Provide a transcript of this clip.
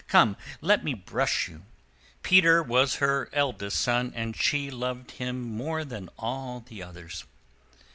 come, let me brush you." Peter was her eldest son, whom she loved more than all the others.